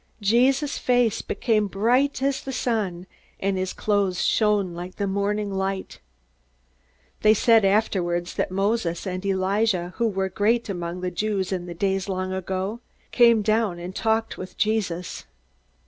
Jesus' face became bright as the sun, and his clothes shone like the morning light. They said afterward that Moses and Elijah, who were great among the Jews in the days of long ago, came down and talked with Jesus.